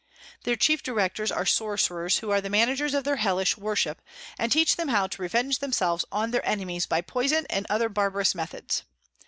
Their chief Directors are Sorcerers, who are the Managers of their hellish Worship, and teach them how to revenge themselves on their Enemies by Poison and other barbarous methods.